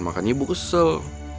makanya ibu kesel